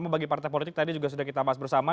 bagi partai politik tadi juga sudah kita bahas bersama